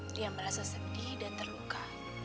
dia merasa sedih dan terluka